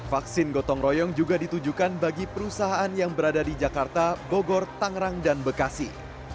vaksin gotong royong juga ditujukan bagi perusahaan yang berada di jakarta bogor tangerang dan bekasi